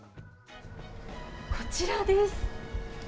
こちらです。